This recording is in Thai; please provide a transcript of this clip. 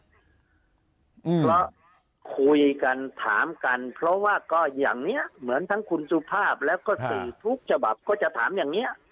เพราะคุยกันถามกันเพราะว่าก็อย่างนี้เหมือนทั้งคุณสุภาพแล้วก็สื่อทุกฉบับก็จะถามอย่างนี้